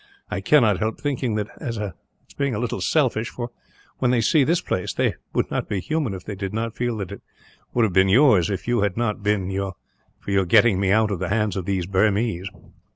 I cannot help thinking that it is a little selfish for, when they see this place, they would not be human if they did not feel that it would have been yours, if it had not been for your getting me out of the hands of those Burmese.